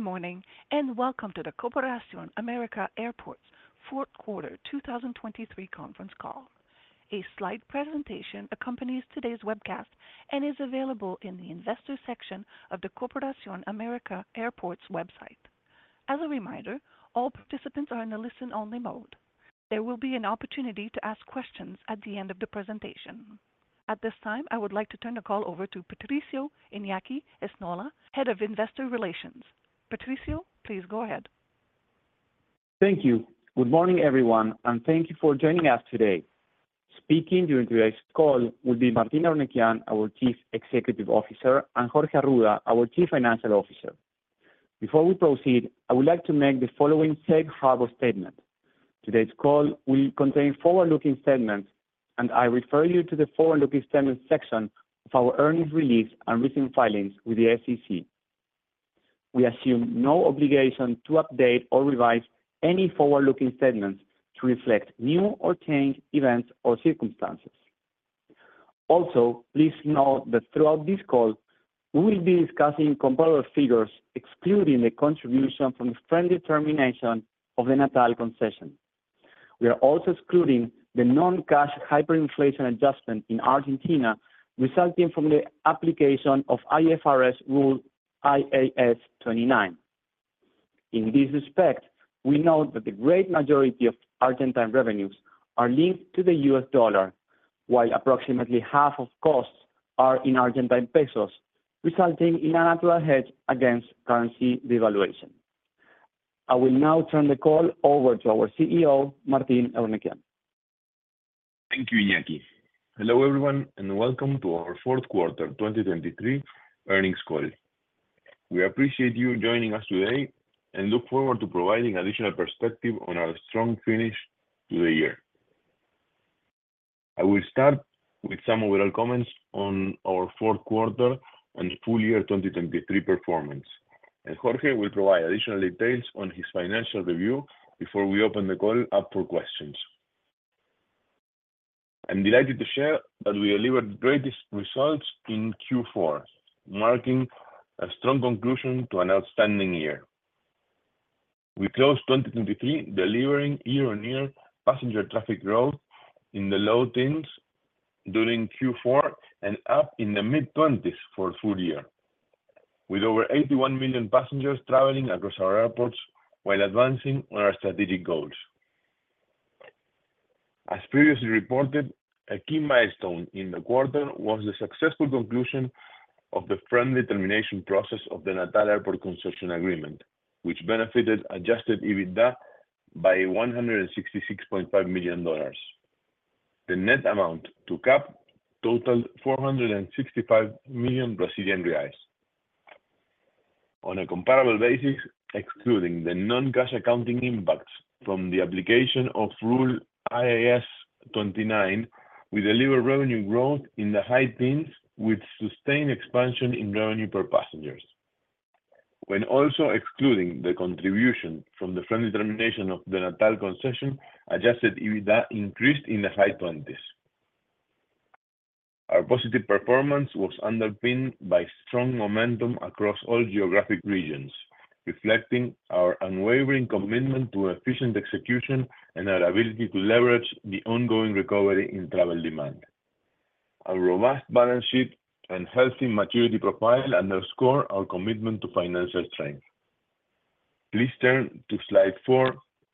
Good morning and welcome to the Corporación América Airports First Quarter 2023 conference call. A slide presentation accompanies today's webcast and is available in the Investor section of the Corporación América Airports website. As a reminder, all participants are in the listen-only mode. There will be an opportunity to ask questions at the end of the presentation. At this time, I would like to turn the call over to Patricio Iñaki Esnaola, Head of Investor Relations. Patricio, please go ahead. Thank you. Good morning, everyone, and thank you for joining us today. Speaking during today's call will be Martín Eurnekian, our Chief Executive Officer, and Jorge Arruda, our Chief Financial Officer. Before we proceed, I would like to make the following safe harbor statement: today's call will contain forward-looking statements, and I refer you to the forward-looking statements section of our earnings release and recent filings with the SEC. We assume no obligation to update or revise any forward-looking statements to reflect new or changed events or circumstances. Also, please note that throughout this call, we will be discussing comparable figures excluding the contribution from the friendly termination of the Natal concession. We are also excluding the non-cash hyperinflation adjustment in Argentina resulting from the application of IFRS Rule IAS 29. In this respect, we note that the great majority of Argentine revenues are linked to the U.S. dollar, while approximately half of costs are in Argentine pesos, resulting in a natural hedge against currency devaluation. I will now turn the call over to our CEO, Martín Eurnekian. Thank you, Iñaki. Hello, everyone, and welcome to our Fourth Quarter 2023 earnings call. We appreciate you joining us today and look forward to providing additional perspective on our strong finish to the year. I will start with some overall comments on our Fourth Quarter and full year 2023 performance, and Jorge will provide additional details on his financial review before we open the call up for questions. I'm delighted to share that we delivered the greatest results in Q4, marking a strong conclusion to an outstanding year. We closed 2023 delivering year-on-year passenger traffic growth in the low teens during Q4 and up in the mid-20s for full year, with over 81 million passengers traveling across our airports while advancing on our strategic goals. As previously reported, a key milestone in the quarter was the successful conclusion of the friendly termination process of the Natal Airport Concession Agreement, which benefited Adjusted EBITDA by $166.5 million. The net amount to CAAP totaled BRL 465 million. On a comparable basis, excluding the non-cash accounting impacts from the application of IAS 29, we delivered revenue growth in the high teens with sustained expansion in revenue per passengers. When also excluding the contribution from the friendly termination of the Natal concession, Adjusted EBITDA increased in the high 20s. Our positive performance was underpinned by strong momentum across all geographic regions, reflecting our unwavering commitment to efficient execution and our ability to leverage the ongoing recovery in travel demand. Our robust balance sheet and healthy maturity profile underscore our commitment to financial strength. Please turn to slide 4,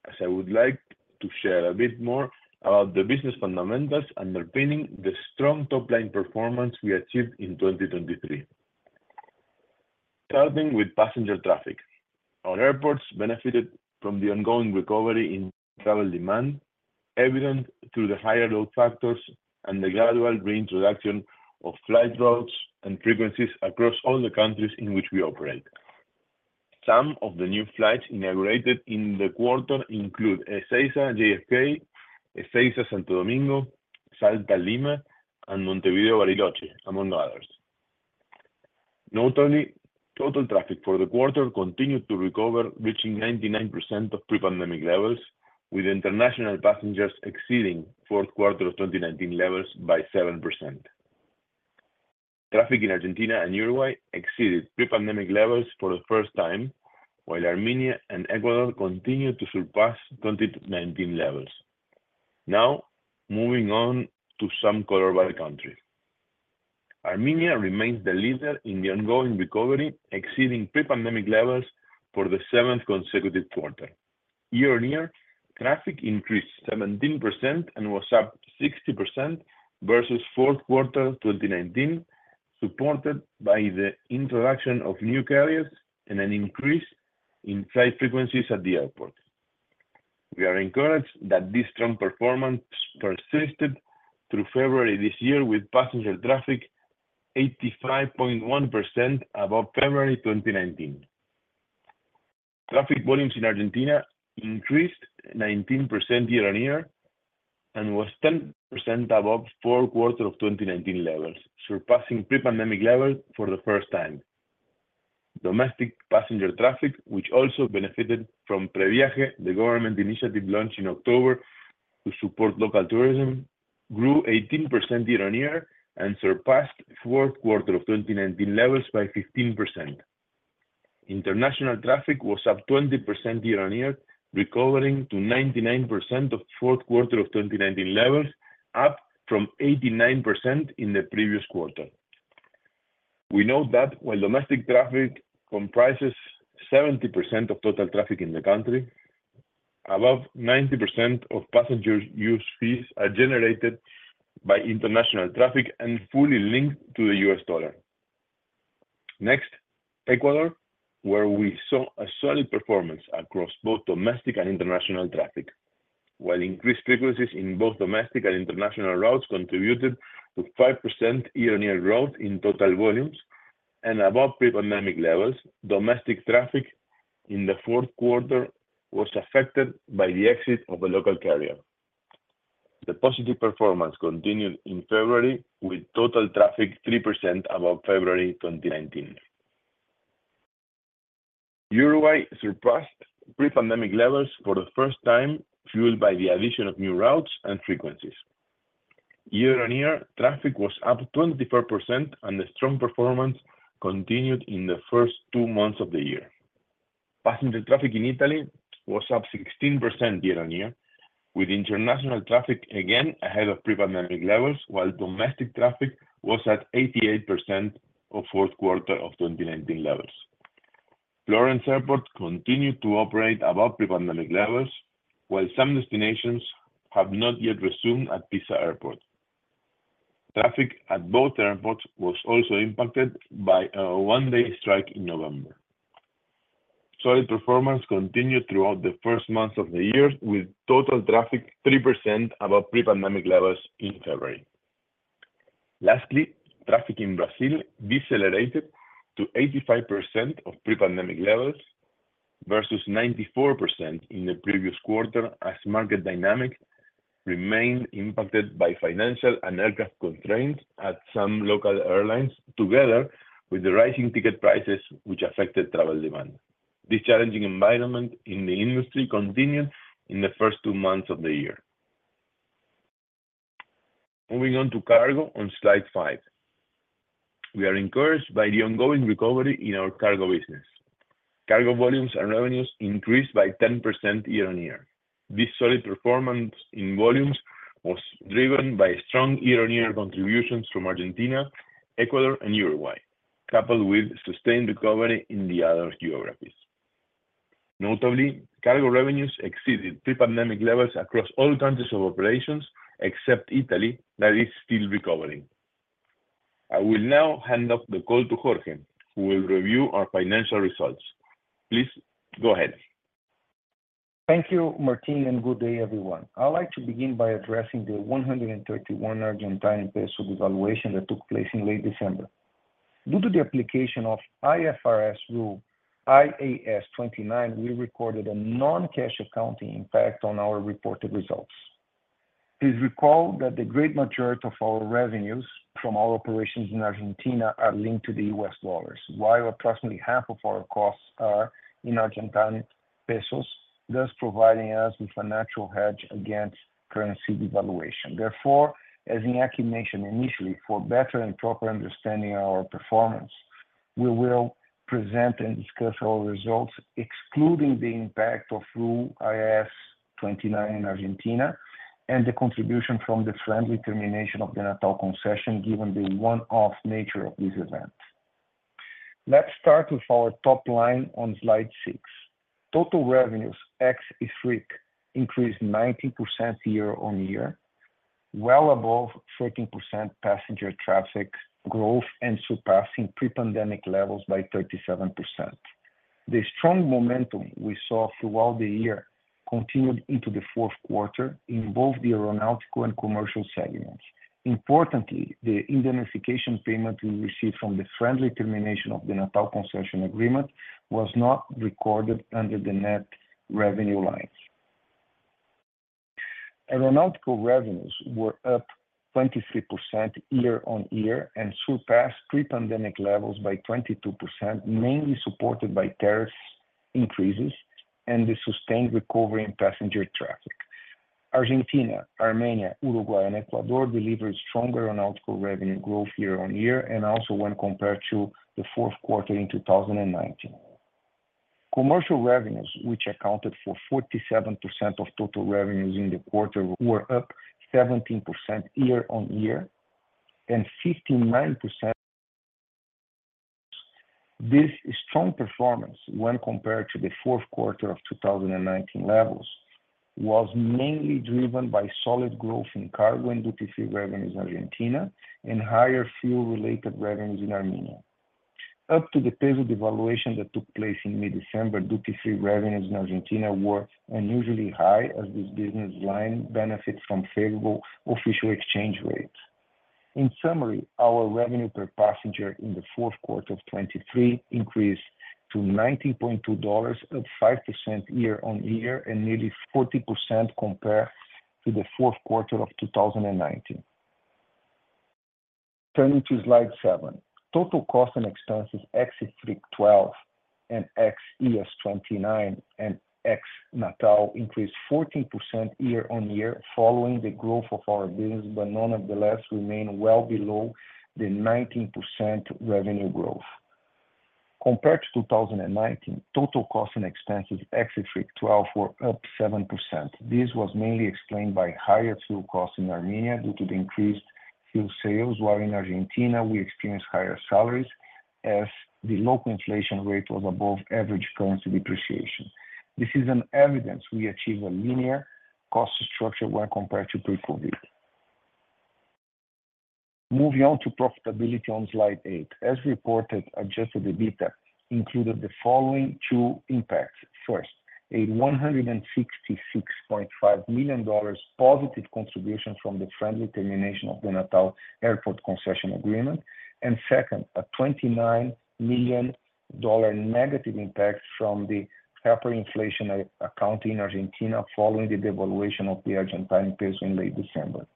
as I would like to share a bit more about the business fundamentals underpinning the strong top-line performance we achieved in 2023. Starting with passenger traffic, our airports benefited from the ongoing recovery in travel demand, evident through the higher load factors and the gradual reintroduction of flight routes and frequencies across all the countries in which we operate. Some of the new flights inaugurated in the quarter include Ezeiza-JFK, Ezeiza-Santo Domingo, Salta-Lima, and Montevideo-Bariloche, among others. Notably, total traffic for the quarter continued to recover, reaching 99% of pre-pandemic levels, with international passengers exceeding fourth quarter of 2019 levels by 7%. Traffic in Argentina and Uruguay exceeded pre-pandemic levels for the first time, while Armenia and Ecuador continued to surpass 2019 levels. Now, moving on to some color by country. Armenia remains the leader in the ongoing recovery, exceeding pre-pandemic levels for the seventh consecutive quarter. Year-on-year, traffic increased 17% and was up 60% versus fourth quarter 2019, supported by the introduction of new carriers and an increase in flight frequencies at the airport. We are encouraged that this strong performance persisted through February this year, with passenger traffic 85.1% above February 2019. Traffic volumes in Argentina increased 19% year-on-year and was 10% above fourth quarter of 2019 levels, surpassing pre-pandemic levels for the first time. Domestic passenger traffic, which also benefited from PreViaje, the government initiative launched in October to support local tourism, grew 18% year-on-year and surpassed fourth quarter of 2019 levels by 15%. International traffic was up 20% year-on-year, recovering to 99% of fourth quarter of 2019 levels, up from 89% in the previous quarter. We note that while domestic traffic comprises 70% of total traffic in the country, above 90% of passenger use fees are generated by international traffic and fully linked to the U.S. dollar. Next, Ecuador, where we saw a solid performance across both domestic and international traffic, while increased frequencies in both domestic and international routes contributed to 5% year-on-year growth in total volumes. Above pre-pandemic levels, domestic traffic in the fourth quarter was affected by the exit of a local carrier. The positive performance continued in February, with total traffic 3% above February 2019. Uruguay surpassed pre-pandemic levels for the first time, fueled by the addition of new routes and frequencies. Year-on-year, traffic was up 24%, and the strong performance continued in the first two months of the year. Passenger traffic in Italy was up 16% year-on-year, with international traffic again ahead of pre-pandemic levels, while domestic traffic was at 88% of fourth quarter of 2019 levels. Florence Airport continued to operate above pre-pandemic levels, while some destinations have not yet resumed at Pisa Airport. Traffic at both airports was also impacted by a one-day strike in November. Solid performance continued throughout the first months of the year, with total traffic 3% above pre-pandemic levels in February. Lastly, traffic in Brazil decelerated to 85% of pre-pandemic levels versus 94% in the previous quarter, as market dynamics remained impacted by financial and aircraft constraints at some local airlines, together with the rising ticket prices, which affected travel demand. This challenging environment in the industry continued in the first two months of the year. Moving on to cargo on slide 5. We are encouraged by the ongoing recovery in our cargo business. Cargo volumes and revenues increased by 10% year-over-year. This solid performance in volumes was driven by strong year-over-year contributions from Argentina, Ecuador, and Uruguay, coupled with sustained recovery in the other geographies. Notably, cargo revenues exceeded pre-pandemic levels across all countries of operations except Italy, that is still recovering. I will now hand off the call to Jorge, who will review our financial results. Please go ahead. Thank you, Martín, and good day, everyone. I'd like to begin by addressing the 131 Argentine peso devaluation that took place in late December. Due to the application of IFRS Rule IAS 29, we recorded a non-cash accounting impact on our reported results. Please recall that the great majority of our revenues from our operations in Argentina are linked to the U.S. dollars, while approximately half of our costs are in Argentine pesos, thus providing us with a natural hedge against currency devaluation. Therefore, as Iñaki mentioned initially, for better and proper understanding our performance, we will present and discuss our results, excluding the impact of Rule IAS 29 in Argentina and the contribution from the friendly termination of the Natal concession, given the one-off nature of this event. Let's start with our top line on slide 6. Total revenues ex IFRIC 12 increased 19% year-on-year, well above 13% passenger traffic growth and surpassing pre-pandemic levels by 37%. The strong momentum we saw throughout the year continued into the fourth quarter in both the aeronautical and commercial segments. Importantly, the indemnification payment we received from the friendly termination of the Natal concession agreement was not recorded under the net revenue lines. Aeronautical revenues were up 23% year-on-year and surpassed pre-pandemic levels by 22%, mainly supported by tariff increases and the sustained recovery in passenger traffic. Argentina, Armenia, Uruguay, and Ecuador delivered stronger aeronautical revenue growth year-on-year and also when compared to the fourth quarter in 2019. Commercial revenues, which accounted for 47% of total revenues in the quarter, were up 17% year-on-year and 59%. This strong performance, when compared to the fourth quarter of 2019 levels, was mainly driven by solid growth in cargo and duty-free revenues in Argentina and higher fuel-related revenues in Armenia. Up to the peso devaluation that took place in mid-December, duty-free revenues in Argentina were unusually high, as this business line benefits from favorable official exchange rates. In summary, our revenue per passenger in the fourth quarter of 2023 increased to $19.2, up 5% year-on-year and nearly 40% compared to the fourth quarter of 2019. Turning to slide 7. Total costs and expenses ex IFRIC 12 and ex IAS 29 and ex Natal increased 14% year-on-year following the growth of our business, but nonetheless remain well below the 19% revenue growth. Compared to 2019, total costs and expenses ex IFRIC 12 were up 7%. This was mainly explained by higher fuel costs in Armenia due to the increased fuel sales, while in Argentina, we experienced higher salaries as the local inflation rate was above average currency depreciation. This is evidence we achieved a linear cost structure when compared to pre-COVID. Moving on to profitability on slide 8. As reported, Adjusted EBITDA included the following two impacts. First, a $166.5 million positive contribution from the friendly termination of the Natal Airport Concession Agreement. And second, a $29 million negative impact from the hyperinflation account in Argentina following the devaluation of the Argentine peso in late December.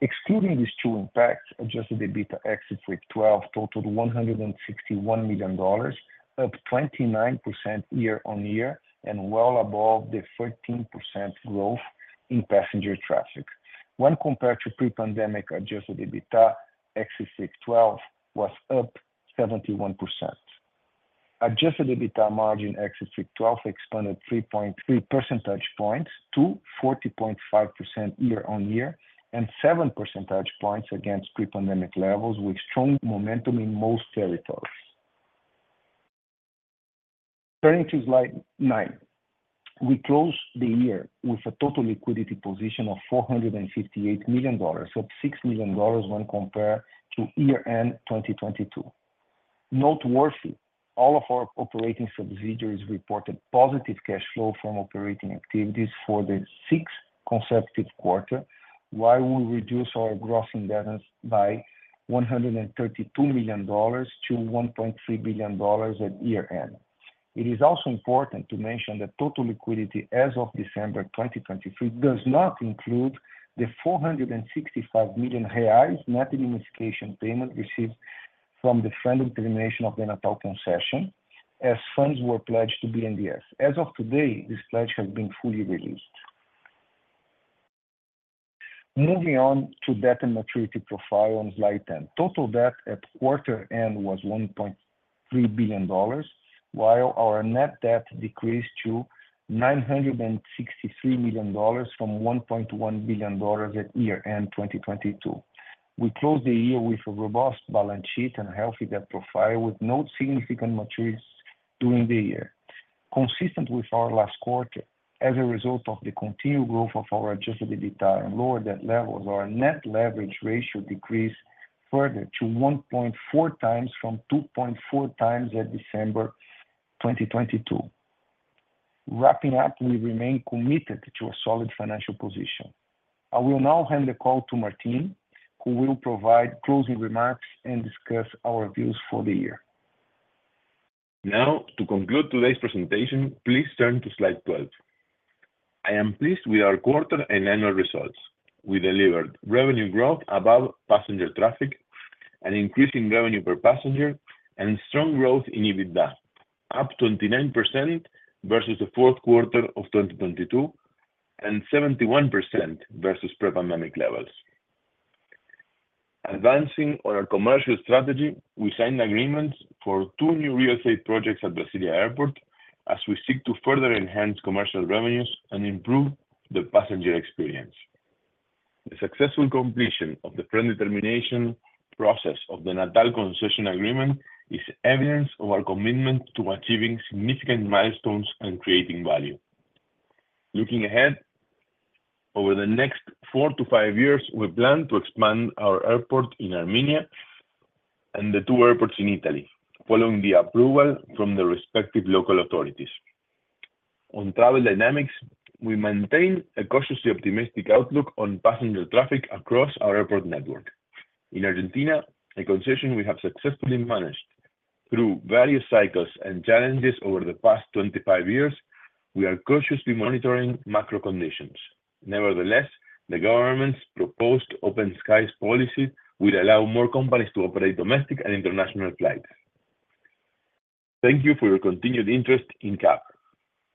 Excluding these two impacts, Adjusted EBITDA ex IFRIC 12 totaled $161 million, up 29% year-on-year and well above the 13% growth in passenger traffic. When compared to pre-pandemic Adjusted EBITDA, ex IFRIC 12 was up 71%. Adjusted EBITDA margin ex IFRIC 12 expanded 3.3 percentage points to 40.5% year-on-year and 7 percentage points against pre-pandemic levels, with strong momentum in most territories. Turning to slide 9. We closed the year with a total liquidity position of $458 million, up $6 million when compared to year-end 2022. Noteworthy, all of our operating subsidiaries reported positive cash flow from operating activities for the sixth consecutive quarter, while we reduced our gross indebtedness by $132 million-$1.3 billion at year-end. It is also important to mention that total liquidity as of December 2023 does not include the 465 million reais net indemnification payment received from the friendly termination of the Natal concession, as funds were pledged to BNDES. As of today, this pledge has been fully released. Moving on to debt and maturity profile on slide 10. Total debt at quarter-end was $1.3 billion, while our net debt decreased to $963 million from $1.1 billion at year-end 2022. We closed the year with a robust balance sheet and healthy debt profile, with no significant maturities during the year. Consistent with our last quarter, as a result of the continued growth of our Adjusted EBITDA and lower debt levels, our net leverage ratio decreased further to 1.4 times from 2.4 times at December 2022. Wrapping up, we remain committed to a solid financial position. I will now hand the call to Martín, who will provide closing remarks and discuss our views for the year. Now, to conclude today's presentation, please turn to slide 12. I am pleased with our quarter and annual results. We delivered revenue growth above passenger traffic, an increase in revenue per passenger, and strong growth in EBITDA, up 29% versus the fourth quarter of 2022 and 71% versus pre-pandemic levels. Advancing on our commercial strategy, we signed agreements for two new real estate projects at Brasília Airport as we seek to further enhance commercial revenues and improve the passenger experience. The successful completion of the friendly termination process of the Natal concession agreement is evidence of our commitment to achieving significant milestones and creating value. Looking ahead over the next four to five years, we plan to expand our airport in Armenia and the two airports in Italy, following the approval from the respective local authorities. On travel dynamics, we maintain a cautiously optimistic outlook on passenger traffic across our airport network. In Argentina, a concession we have successfully managed through various cycles and challenges over the past 25 years, we are cautiously monitoring macro conditions. Nevertheless, the government's proposed Open skies policy would allow more companies to operate domestic and international flights. Thank you for your continued interest in CAP.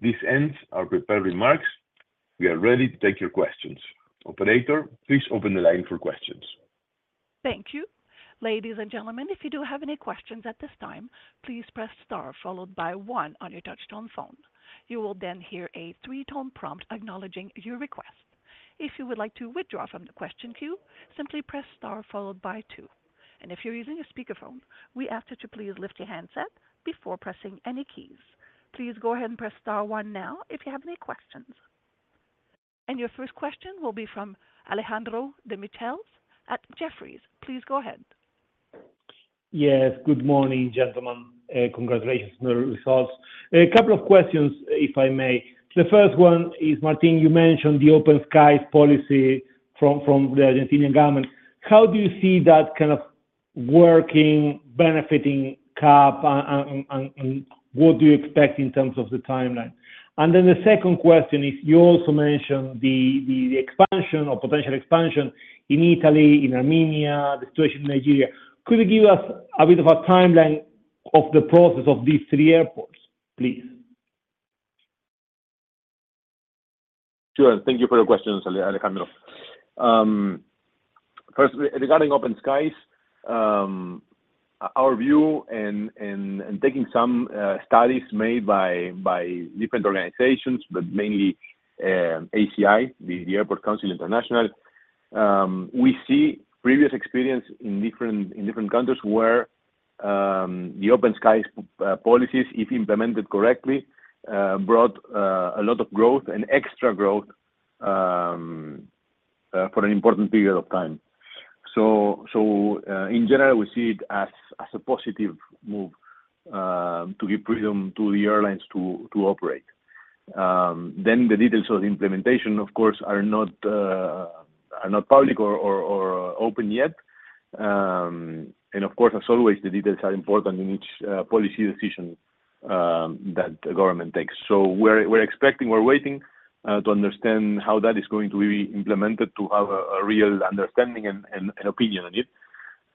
This ends our prepared remarks. We are ready to take your questions. Operator, please open the line for questions. Thank you. Ladies and gentlemen, if you do have any questions at this time, please press star followed by one on your touchstone phone. You will then hear a three-tone prompt acknowledging your request. If you would like to withdraw from the question queue, simply press star followed by two. And if you're using a speakerphone, we ask that you please lift your handset before pressing any keys. Please go ahead and press star one now if you have any questions. And your first question will be from Alejandro Demichelis at Jefferies. Please go ahead. Yes. Good morning, gentlemen. Congratulations on your results. A couple of questions, if I may. The first one is, Martín, you mentioned the open skies policy from the Argentine government. How do you see that kind of working, benefiting CAP, and what do you expect in terms of the timeline? And then the second question is, you also mentioned the expansion or potential expansion in Italy, in Armenia, the situation in Nigeria. Could you give us a bit of a timeline of the process of these three airports, please? Sure. Thank you for your questions, Alejandro. First, regarding open skies, our view and taking some studies made by different organizations, but mainly ACI, the Airport Council International, we see previous experience in different countries where the open skies policies, if implemented correctly, brought a lot of growth and extra growth for an important period of time. So in general, we see it as a positive move to give freedom to the airlines to operate. Then the details of the implementation, of course, are not public or open yet. And of course, as always, the details are important in each policy decision that the government takes. So we're expecting, we're waiting to understand how that is going to be implemented, to have a real understanding and opinion on it.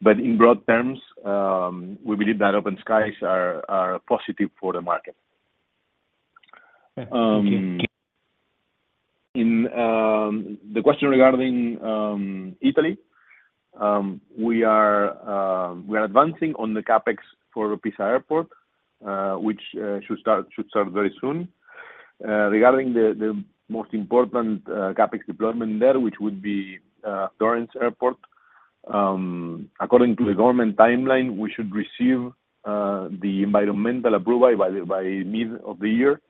But in broad terms, we believe that open skies are positive for the market. In the question regarding Italy, we are advancing on the CapEx for Pisa Airport, which should start very soon. Regarding the most important CapEx deployment there, which would be Florence Airport, according to the government timeline, we should receive the environmental approval by mid of the year.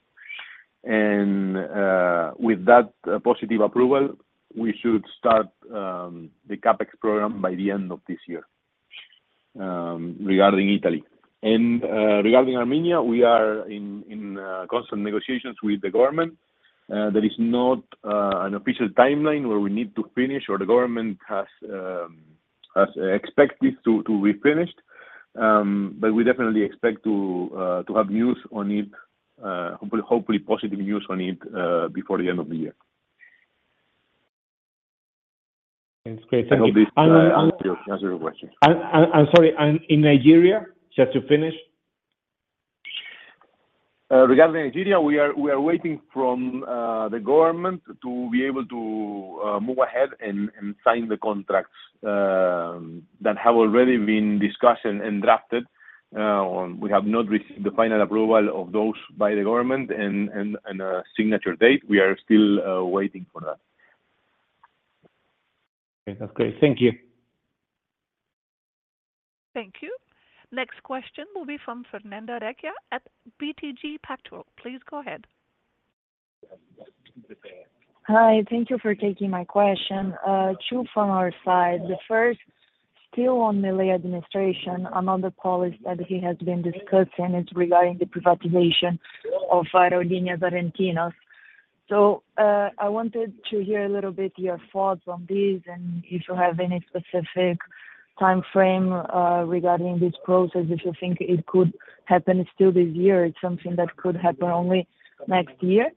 With that positive approval, we should start the CapEx program by the end of this year regarding Italy. Regarding Armenia, we are in constant negotiations with the government. There is not an official timeline where we need to finish or the government has expected to be finished. But we definitely expect to have news on it, hopefully positive news on it before the end of the year. That's great. Thank you. I hope this answers your question. I'm sorry. In Nigeria, just to finish. Regarding Nigeria, we are waiting from the government to be able to move ahead and sign the contracts that have already been discussed and drafted. We have not received the final approval of those by the government and a signature date. We are still waiting for that. Okay. That's great. Thank you. Thank you. Next question will be from Fernanda Recchia at BTG Pactual. Please go ahead. Hi. Thank you for taking my question. Two from our side. The first, still on the Milei administration, another policy that he has been discussing is regarding the privatization of Aerolíneas Argentinas. So I wanted to hear a little bit your thoughts on this and if you have any specific timeframe regarding this process, if you think it could happen still this year, it's something that could happen only next year.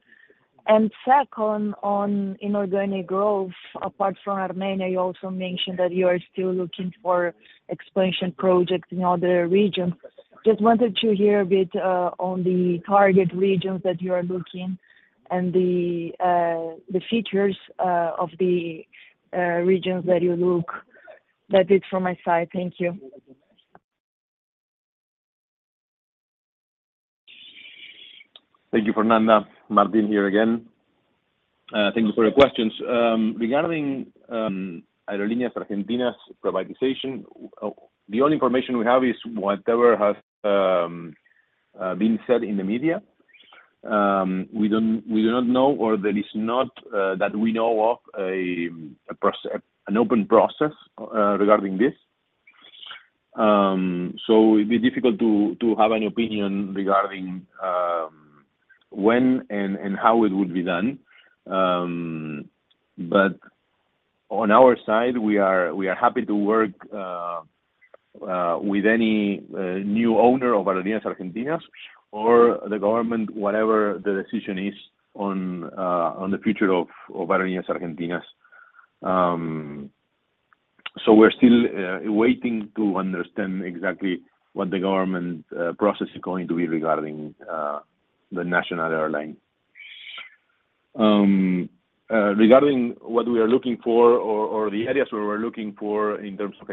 And second, on inorganic growth, apart from Armenia, you also mentioned that you are still looking for expansion projects in other regions. Just wanted to hear a bit on the target regions that you are looking and the features of the regions that you look. That is from my side. Thank you. Thank you, Fernanda. Martín here again. Thank you for your questions. Regarding Aerolíneas Argentinas' privatization, the only information we have is whatever has been said in the media. We do not know or there is not that we know of an open process regarding this. It'd be difficult to have any opinion regarding when and how it would be done. On our side, we are happy to work with any new owner of Aerolíneas Argentinas or the government, whatever the decision is on the future of Aerolíneas Argentinas. We're still waiting to understand exactly what the government process is going to be regarding the national airline. Regarding what we are looking for or the areas where we're looking for in terms of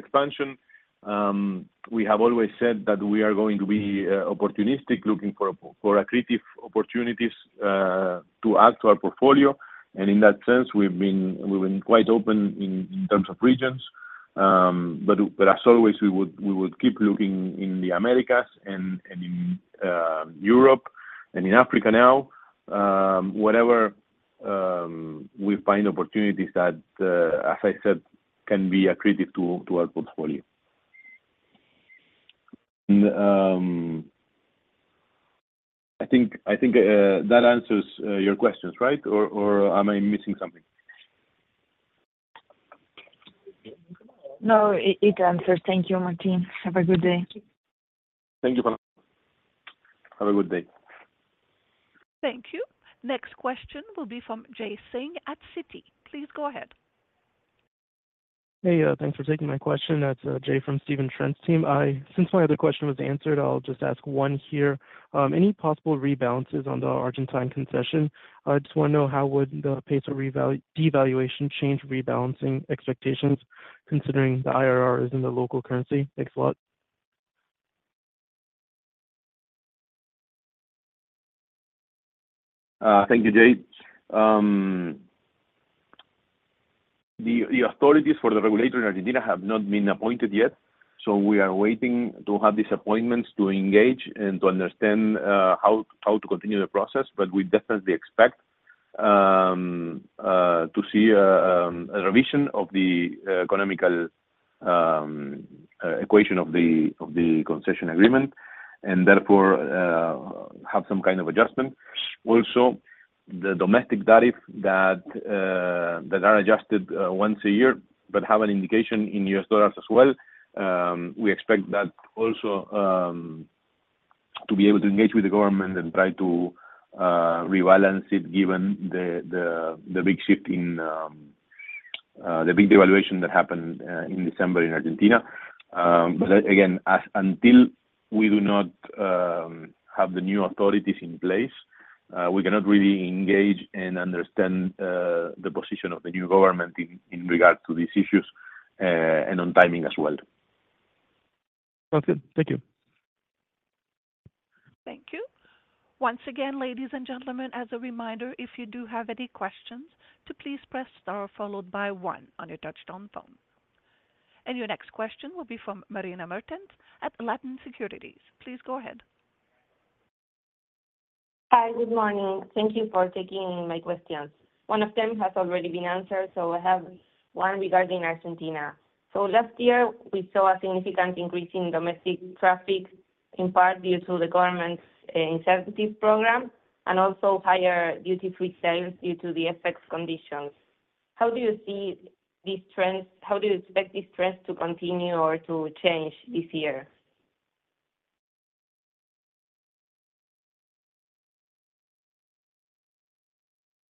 expansion, we have always said that we are going to be opportunistic, looking for accretive opportunities to add to our portfolio. In that sense, we've been quite open in terms of regions. But as always, we would keep looking in the Americas and in Europe and in Africa now, whatever we find opportunities that, as I said, can be accretive to our portfolio. I think that answers your questions, right? Or am I missing something? No, it answers. Thank you, Martín. Have a good day. Thank you, Fernanda. Have a good day. Thank you. Next question will be from Jay Singh at Citi. Please go ahead. Hey. Thanks for taking my question. That's Jay from Steven Trent's team. Since my other question was answered, I'll just ask one here. Any possible rebalances on the Argentine concession? I just want to know how would the peso devaluation change rebalancing expectations considering the IRR is in the local currency? Thanks a lot. Thank you, Jay. The authorities for the regulator in Argentina have not been appointed yet. We are waiting to have these appointments to engage and to understand how to continue the process. But we definitely expect to see a revision of the economic equation of the concession agreement and therefore have some kind of adjustment. Also, the domestic tariffs that are adjusted once a year but have an indexation in U.S. dollars as well, we expect that also to be able to engage with the government and try to rebalance it given the big devaluation that happened in December in Argentina. But again, until we do not have the new authorities in place, we cannot really engage and understand the position of the new government in regard to these issues and on timing as well. Sounds good. Thank you. Thank you. Once again, ladies and gentlemen, as a reminder, if you do have any questions, please press star followed by one on your touch-tone phone. And your next question will be from Marina Mertens at Latin Securities. Please go ahead. Hi. Good morning. Thank you for taking my questions. One of them has already been answered. I have one regarding Argentina. Last year, we saw a significant increase in domestic traffic in part due to the government's incentive program and also higher duty-free sales due to the effects conditions. How do you see these trends? How do you expect these trends to continue or to change this year?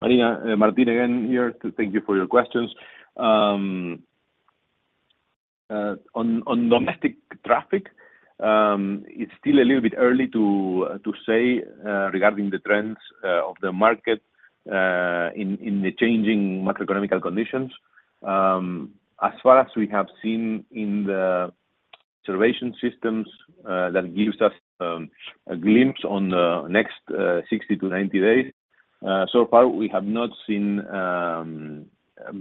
Mertens, Martín Eurnekian again here. Thank you for your questions. On domestic traffic, it's still a little bit early to say regarding the trends of the market in the changing macroeconomic conditions. As far as we have seen in the observation systems that gives us a glimpse on the next 60-90 days, so far, we have not seen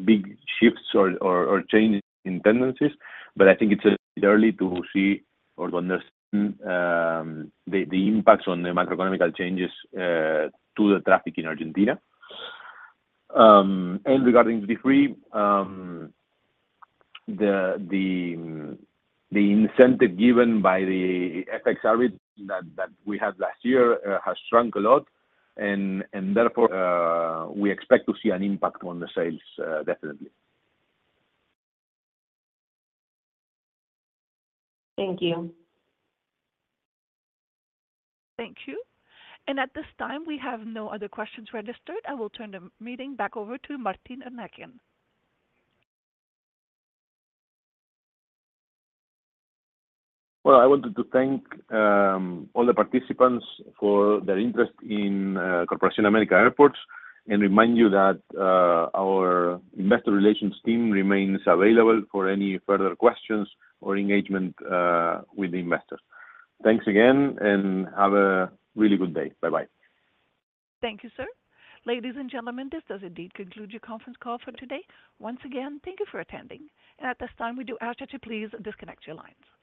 big shifts or change in tendencies. But I think it's early to see or to understand the impacts on the macroeconomic changes to the traffic in Argentina. Regarding duty-free, the incentive given by the FX arbit that we had last year has shrunk a lot. Therefore, we expect to see an impact on the sales, definitely. Thank you. Thank you. At this time, we have no other questions registered. I will turn the meeting back over to Martín Antranik Eurnekian. Well, I wanted to thank all the participants for their interest in Corporación América Airports and remind you that our investor relations team remains available for any further questions or engagement with the investors. Thanks again and have a really good day. Bye-bye. Thank you, sir. Ladies and gentlemen, this does indeed conclude your conference call for today. Once again, thank you for attending. At this time, we do ask that you please disconnect your lines.